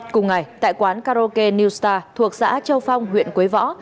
cùng ngày tại quán karoke new star thuộc xã châu phong huyện quế võ